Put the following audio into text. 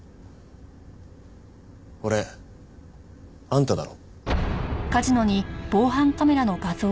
これあんただろ？